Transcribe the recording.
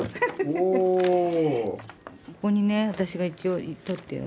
ここにね私が一応取ってある。